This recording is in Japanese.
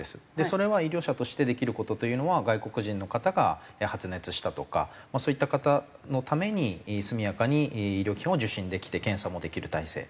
それは医療者としてできる事というのは外国人の方が発熱したとかそういった方のために速やかに医療機関を受診できて検査もできる体制。